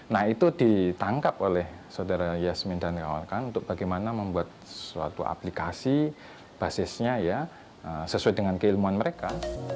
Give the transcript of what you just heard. nah itu ditangkap oleh saudara yasmin dan kawan kawan untuk bagaimana membuat suatu aplikasi basisnya ya sesuai dengan keilmuan mereka